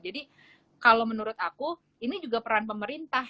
jadi kalau menurut aku ini juga peran pemerintah